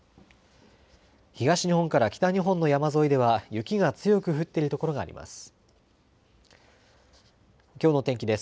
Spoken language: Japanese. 東日本から北日本の山沿いでは雪が強く降っているところがあります。